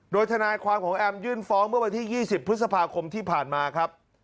โดยทนายความของแอมยื่นฟ้องเมื่อวันที่๒๐พฤษภาคมที่ผ่านมาครับ